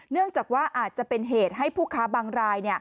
เนื่องจากว่าอาจจะเป็นเหตุให้ผู้ค้าบางราย